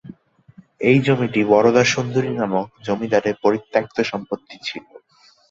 এই জমিটি বরদা সুন্দরী নামক জমিদারের পরিত্যাক্ত সম্পত্তি ছিল।